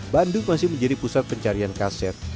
bandung masih menjadi pusat pencarian kaset